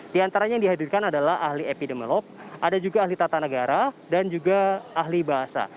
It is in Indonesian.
di antaranya yang dihadirkan adalah ahli epidemiolog ada juga ahli tata negara dan juga ahli bahasa